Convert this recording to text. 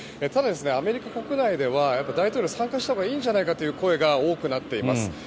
ただ、アメリカ国内では大統領、参加したほうがいいんじゃないかという声が多くなっています。